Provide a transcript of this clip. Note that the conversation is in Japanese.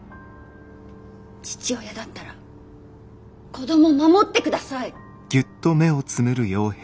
父親だったら子供守ってください。